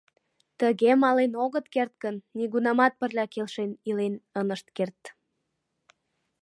— Тыге мален огыт керт гын, нигунамат пырля келшен илен ынышт керт!